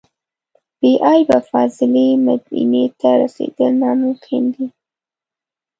بې عیبه فاضلې مدینې ته رسېدل ناممکن دي.